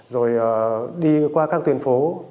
rồi đi qua các tuyến phố